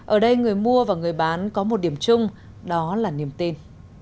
ở đây người mua và người bán có một điểm chung đó là niềm tin